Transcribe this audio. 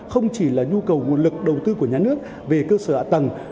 không chỉ là nhu cầu nguồn lực đầu tư của nhà nước về cơ sở ạ tầng